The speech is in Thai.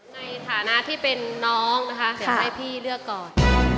ในฐานะที่เป็นน้องนะคะเดี๋ยวให้พี่เลือกก่อน